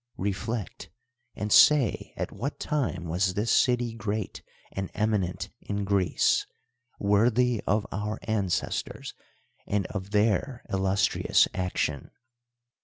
Reflect, and say at what time was this city great and eminent in Greece, worthy of our ancestors, and of their illustrious action?